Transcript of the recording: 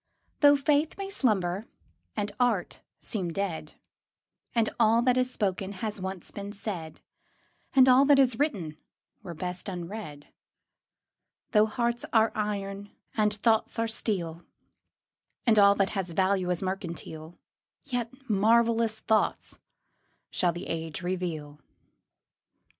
Though faith may slumber and art seem dead, And all that is spoken has once been said, And all that is written were best unread; Though hearts are iron and thoughts are steel, And all that has value is mercantile, Yet marvellous truths shall the age reveal.